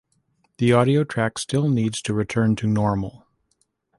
The audio track still needs to return to normal.